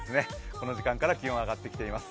この時間から気温、上がってきています。